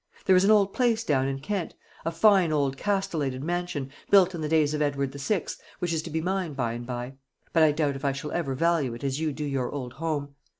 There is an old place down in Kent, a fine old castellated mansion, built in the days of Edward VI., which is to be mine by and by; but I doubt if I shall ever value it as you do your old home.